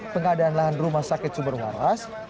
pengadaan lahan rumah sakit sumber waras